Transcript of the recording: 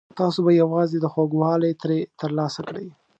تاسو به یوازې خوږوالی ترې ترلاسه کړئ.